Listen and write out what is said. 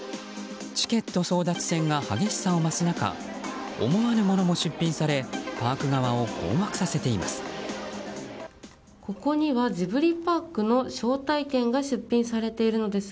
チケット争奪戦が激しさを増す中思わぬものも出品されパーク側を困惑させています。